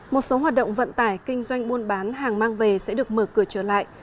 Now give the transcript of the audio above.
một số hoạt động vận tải kinh doanh buôn bán hàng mang về sẽ được mở cửa trở lại